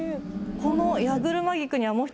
この矢車菊には。